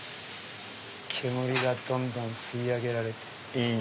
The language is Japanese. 煙がどんどん吸い上げられて。